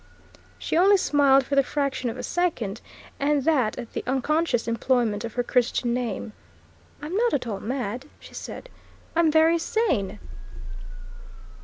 She only smiled for the fraction of a second, and that at the unconscious employment of her Christian name. "I'm not at all mad," she said. "I am very sane."